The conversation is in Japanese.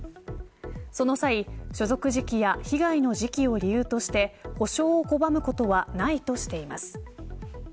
その際、所属時期や被害の時期を理由として補償を拒むことはないとしています。